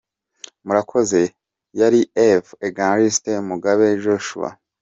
Murakoze, yari Ev Evangelist Mugabo Joshua.